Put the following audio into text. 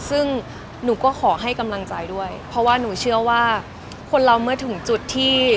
ซึ่งหนูก็ขอให้กำลังใจด้วยเพราะว่าหนูเชื่อว่าคนเราเมื่อถึงจุดที่